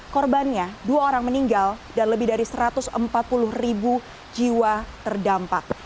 korbannya dua orang meninggal dan lebih dari satu ratus empat puluh ribu jiwa terdampak